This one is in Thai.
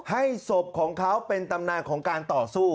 ให้สมของเค้าเป็นทำนายของการต่อสู้